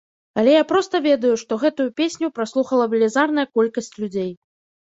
Але я проста ведаю, што гэтую песню праслухала велізарная колькасць людзей.